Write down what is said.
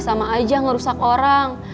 sama aja ngerusak orang